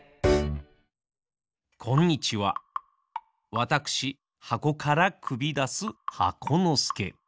わたくしはこからくびだす箱のすけ。